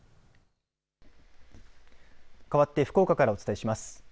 かわって福岡からお伝えします。